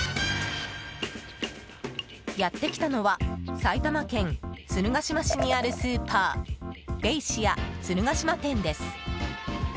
やってきたのは埼玉県鶴ヶ島市にあるスーパーベイシア鶴ヶ島店です。